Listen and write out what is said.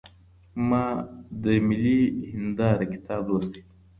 ما د ملي هنداره کتاب لوستی دی.